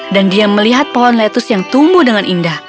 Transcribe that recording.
dan dia melihat pohon lettuce yang tumbuh dengan indah